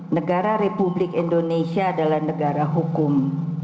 negara republik indonesia adalah negara hukum